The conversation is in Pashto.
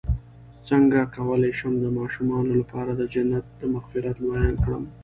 څنګه کولی شم د ماشومانو لپاره د جنت د مغفرت بیان کړم